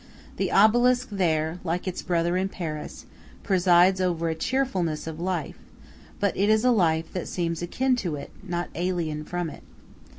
The obelisk there, like its brother in Paris, presides over a cheerfulness of life; but it is a life that seems akin to it, not alien from it.